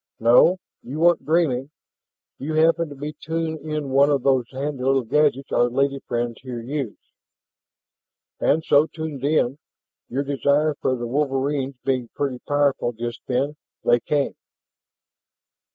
"No, you weren't dreaming. You happened to be tuned in one of those handy little gadgets our lady friends here use. And, so tuned in, your desire for the wolverines being pretty powerful just then, they came."